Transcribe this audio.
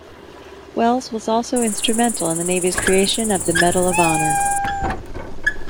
Welles was also instrumental in the Navy's creation of the Medal of Honor.